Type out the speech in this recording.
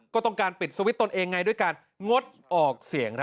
ก็ต้องการปิดสวิตชนเองไงด้วยการงดออกเสียง